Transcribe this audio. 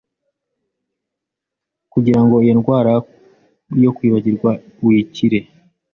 kugira ngo iyo ndwara yo kwibagirwa uyikire